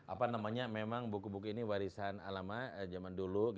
apa namanya memang buku buku ini warisan alamat zaman dulu